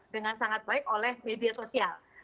dengan sangat baik oleh media sosial